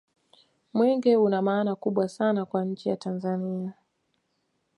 mwenge una maana kubwa sana kwa nchi ya tanzania